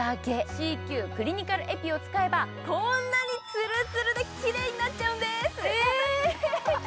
ＣＱクリニカルエピを使えばこんなにつるつるできれいになっちゃんです。